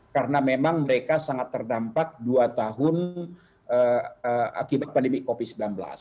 karena memang mereka sangat terdampak dua tahun akibat pandemi covid sembilan belas